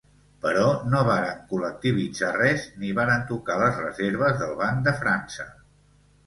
Però no varen col·lectivitzar res, ni varen tocar les reserves del Banc de França.